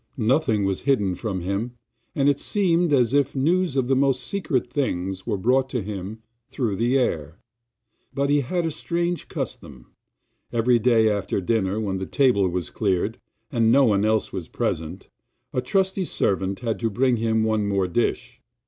Nothing was hidden from him, and it seemed as if news of the most secret things was brought to him through the air. But he had a strange custom; every day after dinner, when the table was cleared, and no one else was present, a trusty servant had to bring him one more dish.